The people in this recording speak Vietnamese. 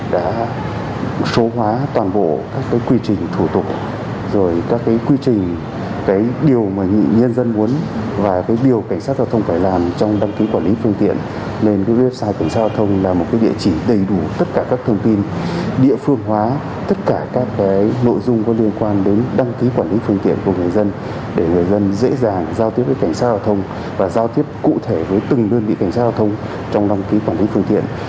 để người dân dễ dàng giao tiếp với cảnh sát giao thông và giao tiếp cụ thể với từng đơn vị cảnh sát giao thông trong đăng ký quản lý phương tiện